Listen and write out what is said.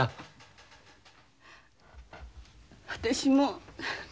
私も。